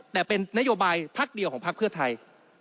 แต่เป็นนโยบายพักเดียวของพักเพื่อไทย